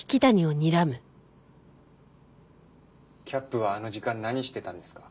キャップはあの時間何してたんですか？